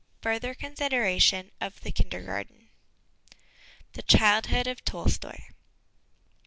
FURTHER CONSIDERATION OF THE KINDERGARTEN The Childhood of Tolstoi.